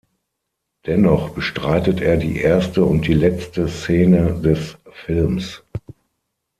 Dennoch bestreitet er die erste und die letzte Szene des Films.